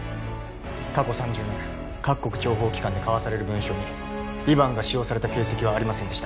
過去３０年各国諜報機関で交わされる文章にヴィヴァンが使用された形跡はありませんでした